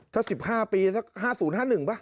ถ้า๑๕ปี๕๐๕๑ปะ